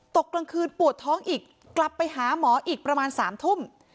กลางคืนปวดท้องอีกกลับไปหาหมออีกประมาณ๓ทุ่ม